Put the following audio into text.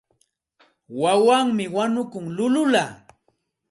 Wawanmi wañukun llullulla.